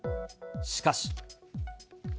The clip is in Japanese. しかし。